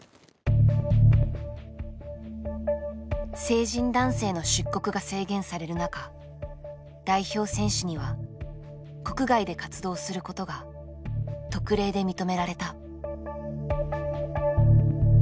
成人男性の出国が制限される中代表選手には国外で活動することが特例で認められた。